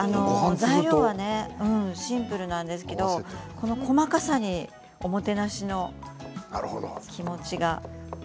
材料はシンプルなんですけれどこの細かさにおもてなしの気持ちが。